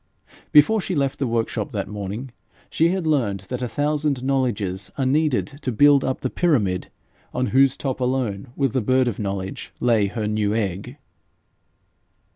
Before she left the workshop that morning, she had learned that a thousand knowledges are needed to build up the pyramid on whose top alone will the bird of knowledge lay her new egg.